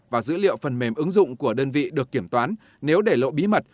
và dữ liệu phần mềm ứng dụng của đơn vị được kiểm toán nếu để lộ bí mật